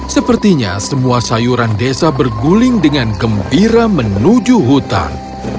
sepertinya semua sayuran desa berguling dengan gembira menuju hutan